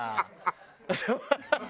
ハハハハ！